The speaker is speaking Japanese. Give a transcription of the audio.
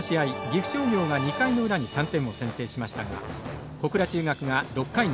岐阜商業が２回の裏に３点を先制しましたが小倉中学が６回に逆転。